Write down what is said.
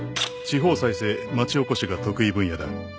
地方再生町おこしが得意分野だ。